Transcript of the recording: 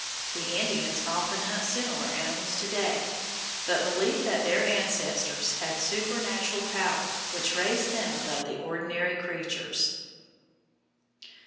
The Indians often hunt similar animals to day, but believe that their ancestors had supernatural power which raised them above the ordinary creatures.